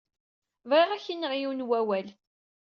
Bɣiɣ ad ak-iniɣ yiwen n wawal.